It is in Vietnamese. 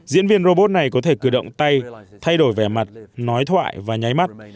diễn viên robot này có thể cử động tay thay đổi vẻ mặt nói thoại và nháy mắt